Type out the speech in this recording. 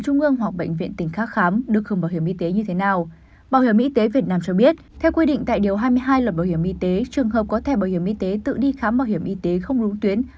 có thẻ bảo hiểm y tế tự đi khám bảo hiểm y tế không đúng tuyến